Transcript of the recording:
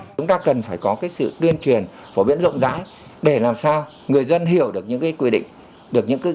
chúng ta cần phải có sự tuyên truyền phổ biến rộng rãi để làm sao người dân hiểu được những quy định